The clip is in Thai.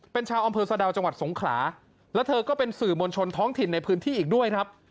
เป็นชาวอำเภอสะดาวจังหวัดสงขลาแล้วเธอก็เป็นสื่อมวลชนท้องถิ่นในพื้นที่อีกด้วยครับ